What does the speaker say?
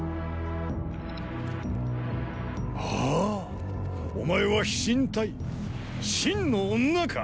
ああお前は飛信隊信の女か。